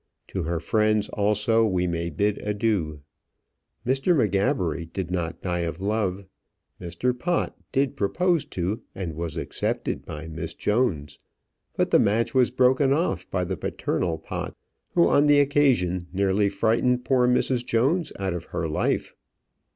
To her friends also we may bid adieu. Mr. M'Gabbery did not die of love. Mr. Pott did propose to and was accepted by Miss Jones; but the match was broken off by the parental Potts who on the occasion nearly frightened poor Mrs. Jones out of her life.